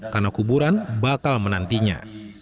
karena kuburan bakal menantinya